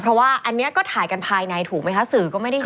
เพราะว่าอันนี้ก็ถ่ายกันภายในถูกไหมคะสื่อก็ไม่ได้เห็น